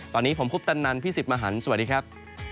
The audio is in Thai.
ตอนนี้ผมคุปตันนันพี่สิทธิ์มหันฯสวัสดีครับ